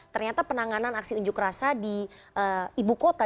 ternyata penanganan aksi unjuk rasa di ibu kota